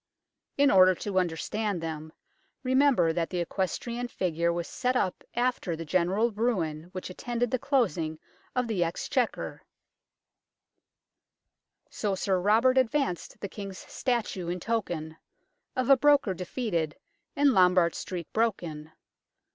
In order to understand them, remember that the eques trian figure was set up after the general ruin which attended the closing of the Exchequer " So Sir Robert advanced the King's statue in token Of a Broker defeated and Lombard Street broken.